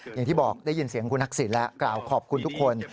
อย่างที่บอกได้ยินเสียงคุณทักษิณแล้วกล่าวขอบคุณทุกคน